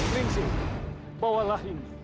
lengsi bawa ini